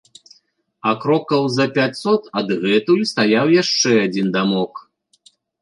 А крокаў за пяцьсот адгэтуль стаяў яшчэ адзін дамок.